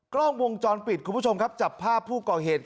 กล้องวงจรปิดคุณผู้ชมครับจับภาพผู้ก่อเหตุ